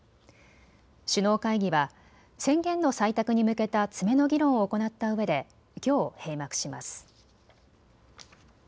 首脳会議は宣言の採択に向けた詰めの議論を行ったうえできょう閉幕します。